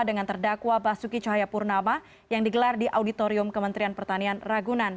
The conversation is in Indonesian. dengan terdakwa basuki cahayapurnama yang digelar di auditorium kementerian pertanian ragunan